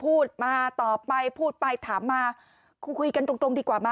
พูดมาต่อไปพูดไปถามมาคุยกันตรงดีกว่าไหม